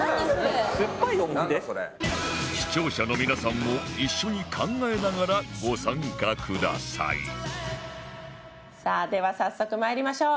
視聴者の皆さんも一緒に考えながらご参加くださいさあでは早速まいりましょう。